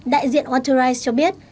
đại diện waterize cho biết